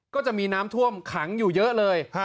ก็จะมีน้ำท่วมขังอยู่เยอะเลย